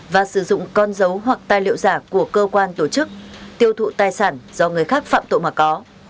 và sử dụng con dấu hoặc tài liệu giả của cơ quan tổ chức tiêu thụ tài sản do người khác phạm tội mà có